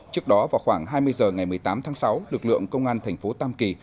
trước đó vào khoảng hai mươi h ngày một mươi tám tháng sáu lực lượng công an thành phố tam kỳ